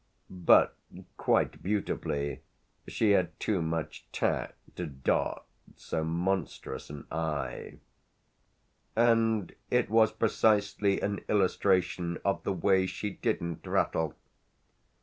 But, quite beautifully, she had too much tact to dot so monstrous an i, and it was precisely an illustration of the way she didn't rattle.